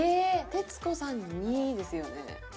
「徹子さんに」ですよね？